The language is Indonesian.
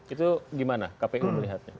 itu gimana kpu melihatnya